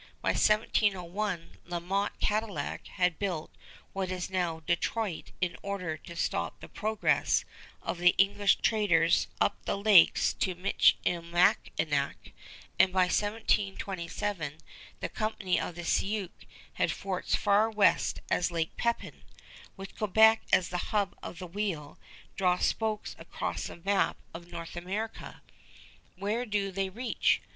By 1701 La Motte Cadillac had built what is now Detroit in order to stop the progress of the English traders up the lakes to Michilimackinac; and by 1727 the Company of the Sioux had forts far west as Lake Pepin. With Quebec as the hub of the wheel, draw spokes across the map of North America. Where do they reach?